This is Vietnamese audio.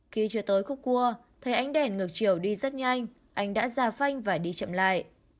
khi chưa tới khúc cua thấy ánh đèn ngược chiều đi rất nhanh anh đã ra phanh và đi chậm lại